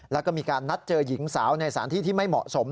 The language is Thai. แล้วก็มีการนัดเจอหญิงสาวในสถานที่ที่ไม่เหมาะสม